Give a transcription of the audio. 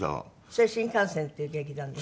それ新感線っていう劇団です？